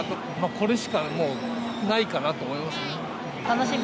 これしかもう、ないかなと思いま楽しみ？